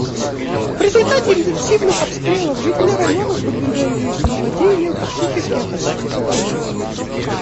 В результате интенсивных обстрелов жители районов, подвергающихся нападению, фактически оказались в западне.